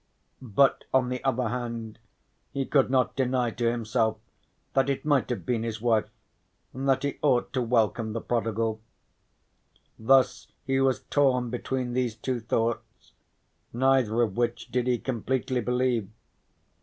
But on the other hand he could not deny to himself that it might have been his wife, and that he ought to welcome the prodigal. Thus he was torn between these two thoughts, neither of which did he completely believe.